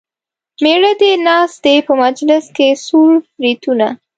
مېړه دې ناست دی په مجلس کې څور بریتونه.